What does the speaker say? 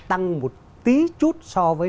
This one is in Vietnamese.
tăng một tí chút so với